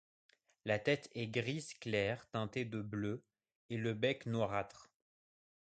La tête est gris clair teintée de bleu et le bec noirâtre.